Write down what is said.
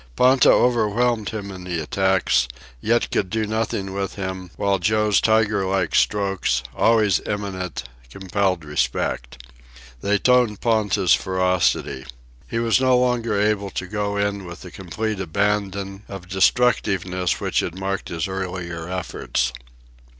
Ponta overwhelmed him in the attacks, yet could do nothing with him, while Joe's tiger like strokes, always imminent, compelled respect. They toned Ponta's ferocity. He was no longer able to go in with the complete abandon of destructiveness which had marked his earlier efforts.